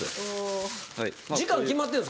時間決まってるんですか？